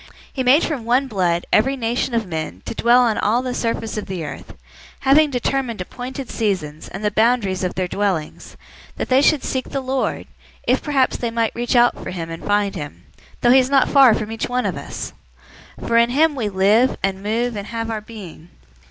017:026 He made from one blood every nation of men to dwell on all the surface of the earth, having determined appointed seasons, and the boundaries of their dwellings, 017:027 that they should seek the Lord, if perhaps they might reach out for him and find him, though he is not far from each one of us. 017:028 'For in him we live, and move, and have our being.'